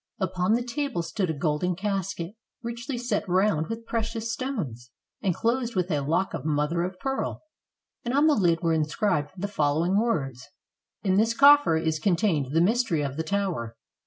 Upon the table stood a golden casket, richly set round with precious stones, and closed with a lock of mother of pearl, and on the lid were inscribed the following words: —" In this coffer is contained the mystery of the tower.